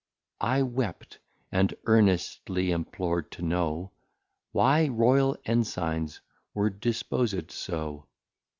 I wept: and earnestly implor'd to know, Why Royal Ensigns were disposed so.